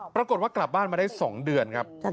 ปรากฏว่ากลับบ้านมาได้๒เดือนครับ